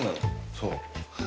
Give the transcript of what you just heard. そう。